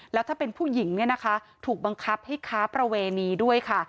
แล้วถ้าเป็นผู้หญิงเนี่ยนะคะถูกบังคับให้ค้าประเวณีด้วยค่ะ